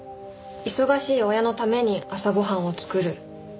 忙しい親のために朝ご飯を作る。